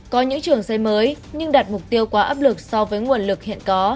có những trường xây mới nhưng đạt mục tiêu quá áp lực so với nguồn lực hiện có